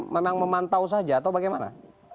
memang memantau saja atau bagaimana